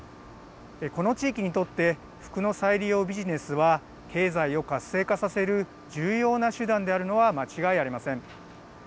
この地域にとって服の再利用ビジネスは経済を活性化させる重要な手段であるのは間違いありません。